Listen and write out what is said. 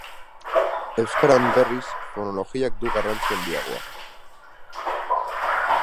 Euskaran, berriz, fonologiak du garrantzia handiagoa.